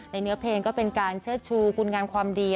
เนื้อเพลงก็เป็นการเชิดชูคุณงามความดี